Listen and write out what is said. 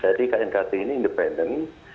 jadi knkt ini independen